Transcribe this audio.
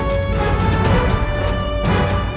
selamat tinggal puteraku